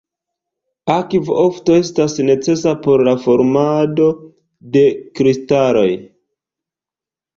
Akvo ofte estas necesa por la formado de kristaloj.